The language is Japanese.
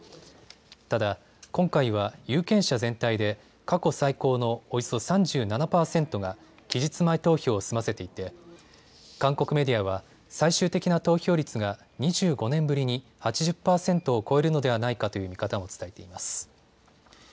ただ、今回は有権者全体で過去最高のおよそ３７％が期日前投票を済ませていて韓国メディアは最終的な投票率が２５年ぶりに８０％を超えるのではないかという見方を伝えています。